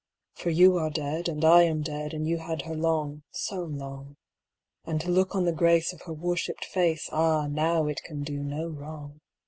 'For you are dead, and I am dead, And you had her long—so long. And to look on the grace of her worshipped face, Ah! now it can do no wrong.